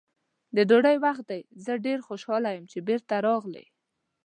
د ډوډۍ وخت دی، زه ډېر خوشحاله یم چې بېرته راغلې.